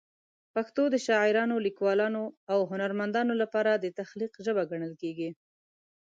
پښتو د شاعرانو، لیکوالو او هنرمندانو لپاره د تخلیق ژبه ګڼل کېږي.